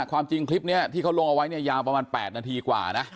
ความจริงคลิปนี้ที่เขาลงเอาไว้เนี่ยยาวประมาณ๘นาทีกว่านะ